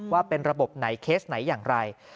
ว่าเป็นระบบไหนเคสไหนอย่างไร